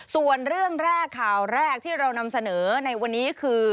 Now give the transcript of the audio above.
ส่วนเรื่องแรกข่าวแรกที่เรานำเสนอในวันนี้คือ